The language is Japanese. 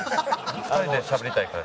２人でしゃべりたいから。